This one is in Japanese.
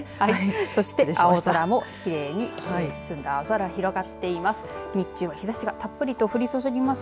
そして青空もきれいに澄んだ青空が広がっています。